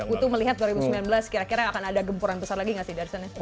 untuk melihat dua ribu sembilan belas kira kira akan ada gempuran besar lagi nggak sih darsan ya